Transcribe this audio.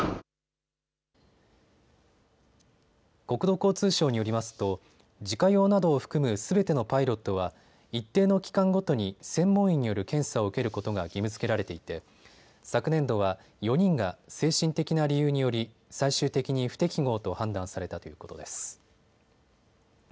国土交通省によりますと自家用などを含むすべてのパイロットは一定の期間ごとに専門医による検査を受けることが義務づけられていて昨年度は４人が精神的な理由により最終的に不適合と判断されたということです。